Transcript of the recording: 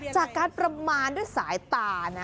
จากการประมาณด้วยสายตานะ